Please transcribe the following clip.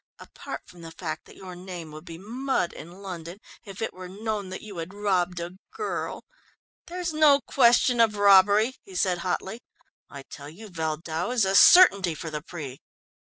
Apart from the fact that your name would be mud in London if it were known that you had robbed a girl " "There's no question of robbery," he said hotly, "I tell you Valdau is a certainty for the Prix."